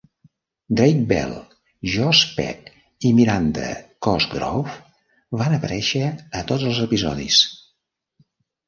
Drake Bell, Josh Peck i Miranda Cosgrove van aparèixer a tots els episodis.